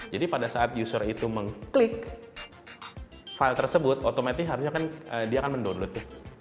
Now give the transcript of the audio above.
jadi pada saat user itu mengklik file tersebut otomatis dia akan mendownload